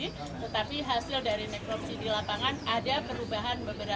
tetapi hasil dari nekropsi di lapangan ada perubahan beberapa